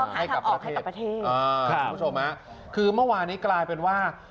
ให้กับออกให้กับประเทศอ่าคุณผู้ชมฮะคือเมื่อวานนี้กลายเป็นว่า